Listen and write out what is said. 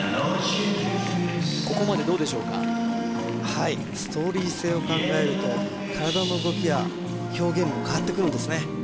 ここまでどうでしょうかはいストーリー性を考えると体の動きや表現も変わってくるんですね